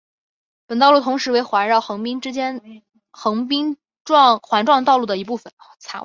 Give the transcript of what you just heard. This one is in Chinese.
本道路同时为环绕横滨市之横滨环状道路的一部份。